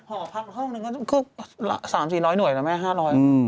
หอพักห้องนึงก็สามสี่หน่วยหน่วยละไหม๕๐๐